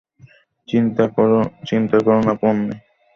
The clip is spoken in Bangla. চিন্তা কোরো না, পোন্নি।